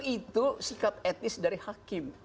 itu sikap etis dari hakim